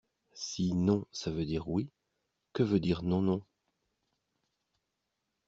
Si non ça veut dire oui, que veut dire non non?